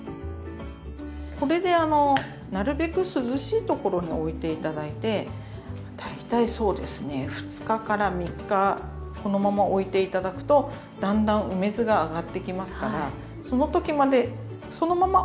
これであのなるべく涼しい所において頂いて大体そうですね２日から３日このままおいて頂くとだんだん梅酢が上がってきますからそのときまでそのままおいといて下さい。